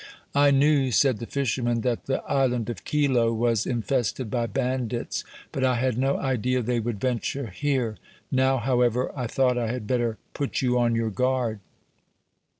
"I knew," said the fisherman, "that the Island of Kylo was infested by bandits, but I had no idea they would venture here. Now, however, I thought I had better put you on your guard."